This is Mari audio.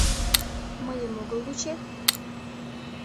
Мыйым огыл вучет?